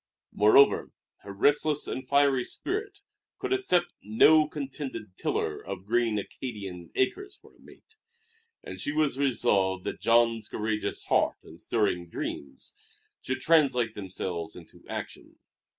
Moreover, her restless and fiery spirit could accept no contented tiller of green Acadian acres for a mate; and she was resolved that Jean's courageous heart and stirring dreams should translate themselves into action.